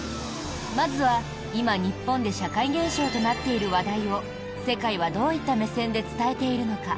まずは今、日本で社会現象となっている話題を世界はどういった目線で伝えているのか。